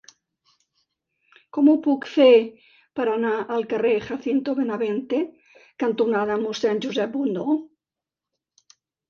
Com ho puc fer per anar al carrer Jacinto Benavente cantonada Mossèn Josep Bundó?